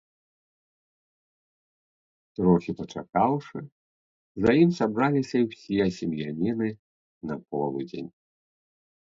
Трохі пачакаўшы, за ім сабраліся й усе сем'яніны на полудзень.